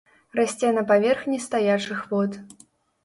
Расце на паверхні стаячых вод.